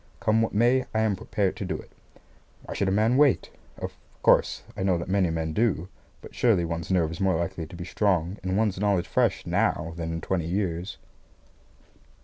Come what may, I am prepared to do it. Why should a man wait? Of course, I know that many men do; but surely one's nerve is more likely to be strong and one's knowledge fresh now than in twenty years.